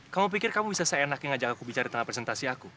kamu pikir kamu bisa seenak yang ajak aku bicara di tengah presentasi aku